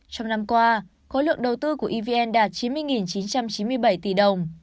trong năm qua khối lượng đầu tư của evn đạt chín mươi chín trăm chín mươi bảy tỷ đồng